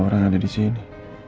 orang ada disini